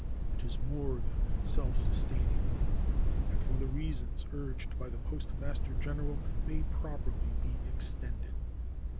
It is more than self sustaining, and for the reasons urged by the Postmaster General may properly be extended.